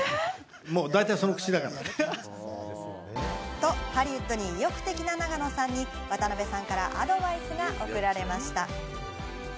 と、ハリウッドに意欲的な永野さんに渡辺さんからアドバイスが送られました。